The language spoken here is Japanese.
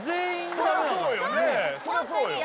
そりゃそうよ